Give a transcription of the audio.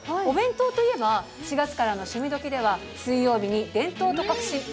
お弁当といえば４月からの「趣味どきっ！」では水曜日に「伝統と革新！